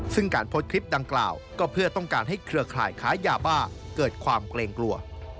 ซึ่งการโพสต์คลิปดังกล่าวก็เพื่อต้องการให้เครือข่ายค้ายาบ้าเกิดความเกรงกลัว